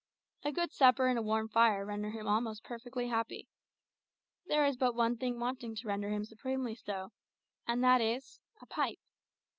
A good supper and a warm fire render him almost perfectly happy. There is but one thing wanting to render him supremely so, and that is a pipe!